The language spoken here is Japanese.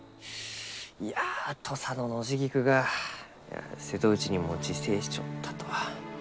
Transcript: いや土佐のノジギクが瀬戸内にも自生しちょったとは。